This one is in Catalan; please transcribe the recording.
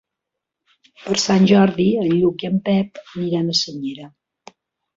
Per Sant Jordi en Lluc i en Pep aniran a Senyera.